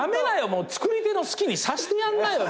もう作り手の好きにさしてやんなよみたいな。